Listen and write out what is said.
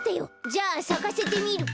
じゃあさかせてみる。